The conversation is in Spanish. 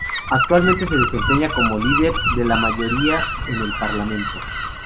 Actualmente se desempeña como el líder de la mayoría en el Parlamento.